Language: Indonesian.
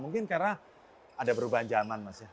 mungkin karena ada perubahan zaman mas ya